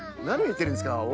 なにいってるんですか？